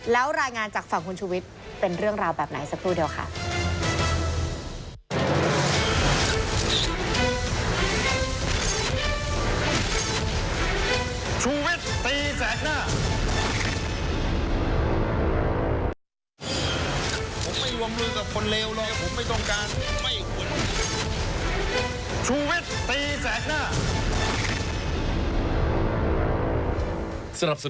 แล้วรายงานจากฝั่งคุณชุวิตเป็นเรื่องราวแบบไหนสักครู่เดียวค่ะ